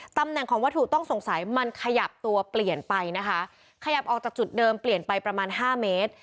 ตำแหน่งของวัตถุต้องสงสัยมันขยับตัวเปลี่ยนไปนะคะขยับออกจากจุดเดิมเปลี่ยนไปประมาณห้าเมตร